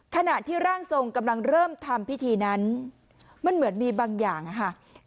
ขณะที่ร่างทรงกำลังเริ่มทำพิธีนั้นมันเหมือนมีบางอย่างค่ะ